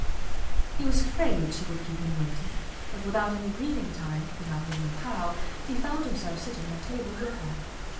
He was afraid she would keep him waiting, but without any breathing time, he hardly knew how, he found himself sitting at table with her.